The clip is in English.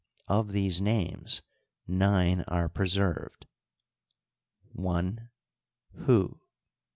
Of these names, nine are preserved: i. Huu ; 2.